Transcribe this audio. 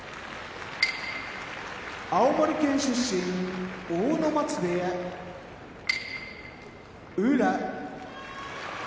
青森県出身阿武松部屋宇良